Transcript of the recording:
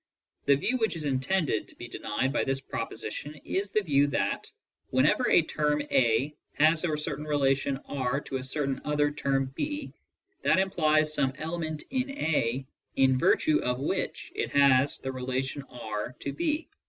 The view which is intended to be denied by this proposition is the view that, whenever a term a has a certain relation 22 to a cer tain other term b, that implies some element in a in virtue of which it has the relation R to b.